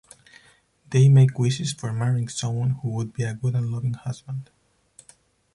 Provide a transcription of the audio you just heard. They make wishes for marrying someone who would be a good and loving husband.